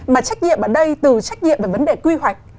mà trách nhiệm ở đây từ trách nhiệm về vấn đề quy hoạch